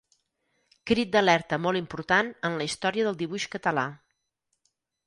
Crit d'alerta molt important en la història del dibuix català.